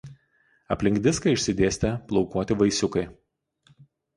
Aplink diską išsidėstę plaukuoti vaisiukai.